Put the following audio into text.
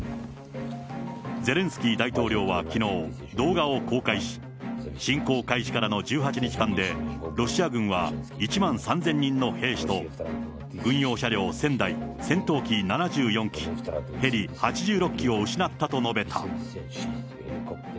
ゼレンスキー大統領はきのう、動画を公開し、侵攻開始からの１８日間で、ロシア軍は１万３０００人の兵士と、軍用車両１０００台、戦闘機７４機、ヘリ８６機を失ったと述べた。